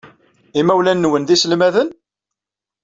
Imawlan-nwen d iselmaden?